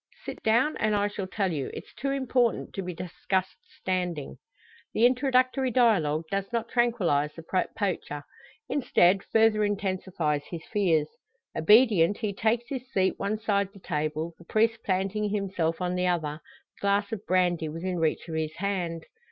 "Sit down, and I shall tell you. It's too important to be discussed standing." The introductory dialogue does not tranquillise the poacher; instead, further intensifies his fears. Obedient, he takes his seat one side the table, the priest planting himself on the other, the glass of brandy within reach of his hand.